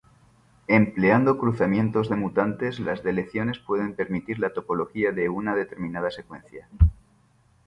Empleando cruzamientos de mutantes, las deleciones pueden permitir la topología de una determinada secuencia.